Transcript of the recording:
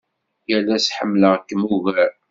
Yal ass ḥemmleɣ-kem ugar.